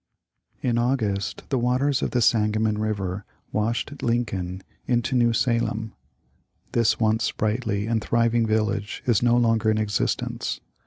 In August the waters of the Sangamon river THE LIFE OF LINCOLN. JJ washed Lincoln in to New Salem. This once sprightly and thriving village is no longer in exist ence.